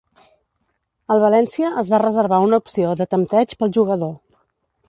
El València es va reservar una opció de tempteig pel jugador.